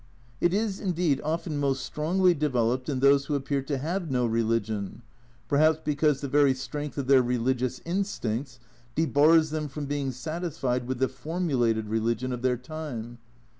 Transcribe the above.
It is indeed often most strongly developed in those who appear to have no religion, perhaps because the very strength of their religious instincts debars them from being satisfied with the formulated religion of their time.